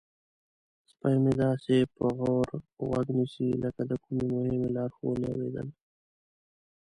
سپی مې داسې په غور غوږ نیسي لکه د کومې مهمې لارښوونې اوریدل.